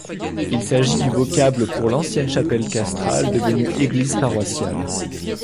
Il s'agit du vocable pour l'ancienne chapelle castrale devenue église paroissiale.